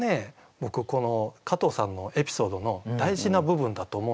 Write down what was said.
僕加藤さんのエピソードの大事な部分だと思うんですよ。